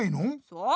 そう。